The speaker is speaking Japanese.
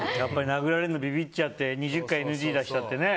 殴られるのビビっちゃって２０回ＮＧ出したってね。